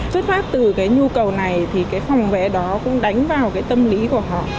xuất phát từ cái nhu cầu này thì cái phòng vé đó cũng đánh vào cái tâm lý của họ